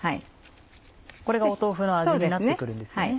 これが豆腐の味になって来るんですね。